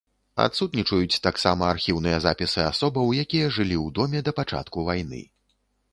Адсутнічаюць таксама архіўныя запісы асобаў, якія жылі ў доме да пачатку вайны.